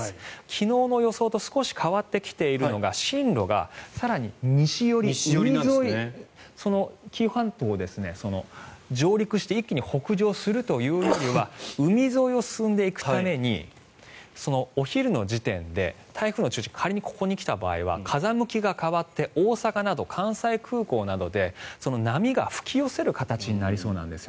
昨日の予想と少し変わってきているのが進路が更に西寄り、海沿い紀伊半島を、上陸して一気に北上するというよりは海沿いを進んでいくためにお昼の時点で台風の中心仮にここに来た場合は風向きが変わって大阪など、関西などで波が吹き寄せる形になりそうなんです。